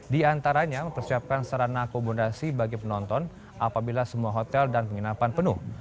di antaranya mempersiapkan sarana akomodasi bagi penonton apabila semua hotel dan penginapan penuh